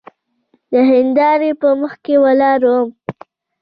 د هندارې په مخکې ولاړ وم.